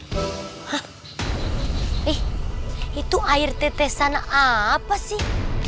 eh itu air tetes sana apa sih